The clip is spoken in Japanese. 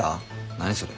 何それ？